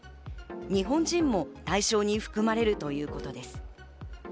日本人も対象に含まれるということです。